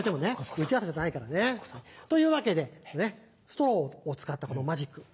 打ち合わせてないからね。というわけでストローを使ったこのマジック。